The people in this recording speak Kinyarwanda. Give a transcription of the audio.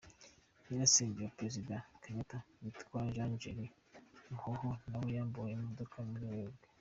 Nyirasenge wa Perezida Kenyatta witwa Jean Njeri Muhoho nawe yambuwe imodoka muri Werurwe .